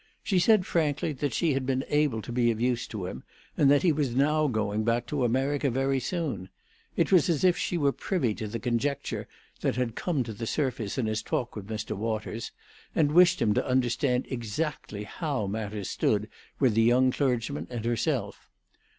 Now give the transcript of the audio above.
She said, frankly, that she had been able to be of use to him, and that he was now going back to America very soon; it was as if she were privy to the conjecture that had come to the surface in his talk with Mr. Waters, and wished him to understand exactly how matters stood with the young clergyman and herself.